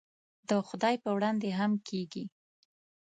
د خدای په وړاندې هم کېږي.